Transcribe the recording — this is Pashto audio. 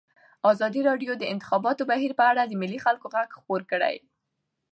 ازادي راډیو د د انتخاباتو بهیر په اړه د محلي خلکو غږ خپور کړی.